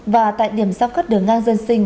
và tại điểm sắp cắt đường ngan dân sinh